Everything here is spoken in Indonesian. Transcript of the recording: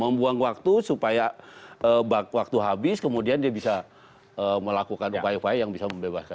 membuang waktu supaya waktu habis kemudian dia bisa melakukan upaya upaya yang bisa membebaskan